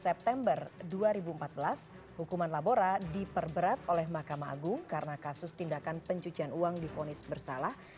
september dua ribu empat belas hukuman labora diperberat oleh mahkamah agung karena kasus tindakan pencucian uang difonis bersalah